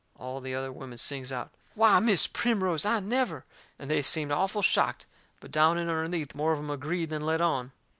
All the other women sings out: "W'y, MIS' PRIMROSE! I never!" And they seemed awful shocked. But down in underneath more of em agreed than let on.